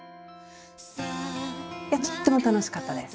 とっても楽しかったです。